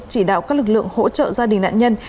chỉ đạo các lực lượng hỗ trợ gia đình nạn nhân